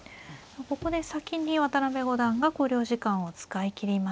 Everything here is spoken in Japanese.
ここで先に渡辺五段が考慮時間を使いきりました。